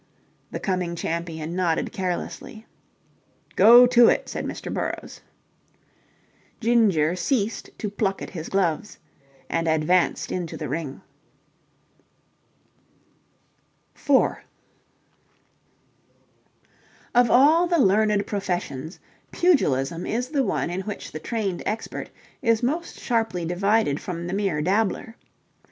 The coming champion nodded carelessly. "Go to it," said Mr. Burrowes. Ginger ceased to pluck at his gloves and advanced into the ring. 4 Of all the learned professions, pugilism is the one in which the trained expert is most sharply divided from the mere dabbler.